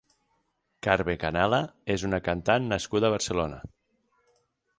Carme Canela és una cantant nascuda a Barcelona.